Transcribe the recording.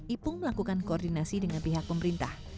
ipung melakukan koordinasi dengan pihak pemerintah